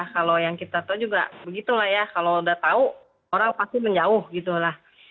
kalau yang kita tahu juga begitu lah ya kalau udah tahu orang pasti menjauh gitu lah